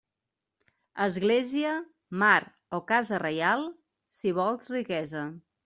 Església, mar o casa reial, si vols riquesa.